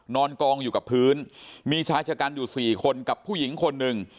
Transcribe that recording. นอนกองอยู่กับพื้นมีชายชะกันอยู่สี่คนกับผู้หญิงคนหนึ่ง